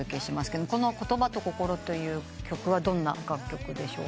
この『言葉と心』という曲はどんな楽曲でしょうか？